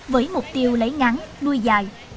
với mục tiêu lấy ngắn nuôi dài